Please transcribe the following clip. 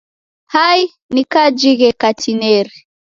Hai, ni kajighe katineri!